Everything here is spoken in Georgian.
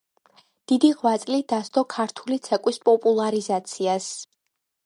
დიდი ღვაწლი დასდო ქართული ცეკვის პოპულარიზაციას.